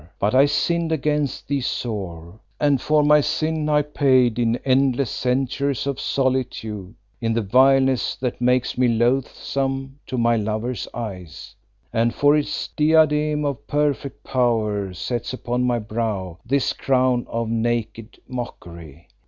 But I sinned against thee sore, and for my sin I paid in endless centuries of solitude, in the vileness that makes me loathsome to my lover's eyes, and for its diadem of perfect power sets upon my brow this crown of naked mockery.